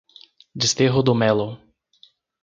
Desterro do Melo